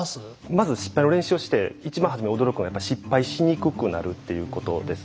まず失敗の練習をして一番初めに驚くのが失敗しにくくなるということです。